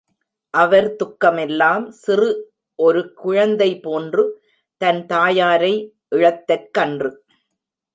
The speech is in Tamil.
அவர் துக்கமெல்லாம், சிறு ஒரு குழந்தை போன்று, தன் தாயாரை இழத்தற்கன்று.